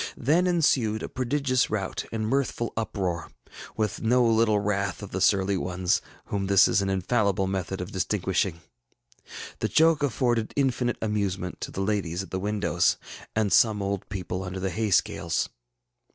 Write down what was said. Then ensued a prodigious rout and mirthful uproar, with no little wrath of the surly ones, whom this is an infallible method of distinguishing. The joke afforded infinite amusement to the ladies at the windows and some old people under the hay scales.